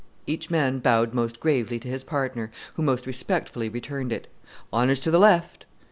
Each man bowed most gravely to his partner, who most respectfully returned it. "Honours to the left."